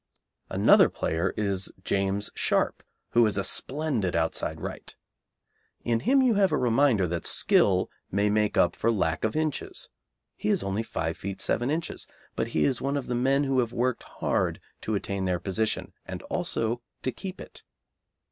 Another player is James Sharp, who is a splendid outside right. In him you have a reminder that skill may make up for lack of inches. He is only 5 ft. 7 in., but he is one of the men who have worked hard to attain their position and also to keep it.